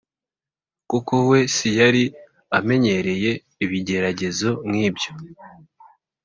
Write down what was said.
kuko we si yari amenyereye ibigeragezo nk’ibyo.